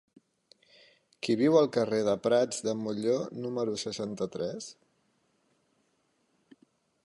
Qui viu al carrer de Prats de Molló número seixanta-tres?